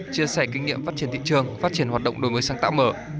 chia sẻ kinh nghiệm phát triển thị trường phát triển hoạt động đổi mới sáng tạo mở